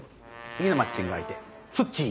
次のマッチング相手スッチー。